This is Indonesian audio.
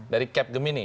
dari cap gemini